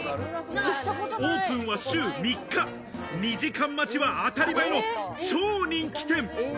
オープンは週３日２時間待ちは当たり前の超人気店。